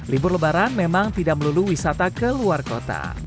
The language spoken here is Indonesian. libur lebaran memang tidak melulu wisata ke luar kota